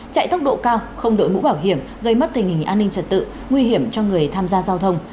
chạy tốc độ cao không đội mũ bảo hiểm gây mất tình hình an ninh trật tự nguy hiểm cho người tham gia giao thông